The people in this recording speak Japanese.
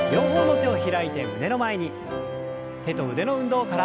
手と腕の運動から。